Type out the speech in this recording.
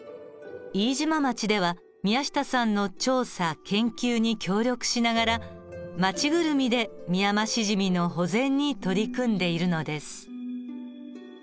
飯島町では宮下さんの調査研究に協力しながら町ぐるみでミヤマシジミの保全に取り組んでいるのです。